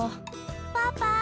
パパ！